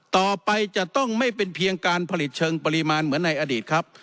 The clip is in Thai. ต่อไปจะต้องไม่เป็นเพียงการผลิตเชิงปริมาณเหมือนในอดีตครับ